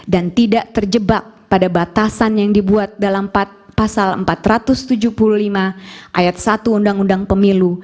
dan tidak terjebak pada batasan yang dibuat dalam pasal empat ratus tujuh puluh lima ayat satu undang undang pemilu